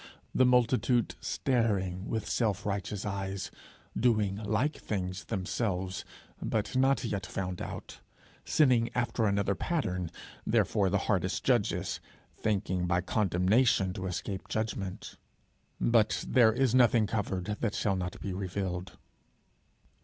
the multitude staring with self righteous eyes, doing like things themselves, but not yet found out; sinning after another pattern, therefore the hardest judges, thinking by condemnation to escape judgment. But there is nothing covered that shall not be revealed.